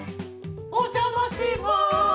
お邪魔します